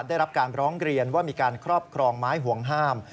ได้รับการร้องเรียนว่ามีการครอบครองไม้ห่วงห้าม